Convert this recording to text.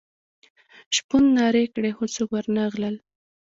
شپون نارې کړې خو څوک ور نه غلل.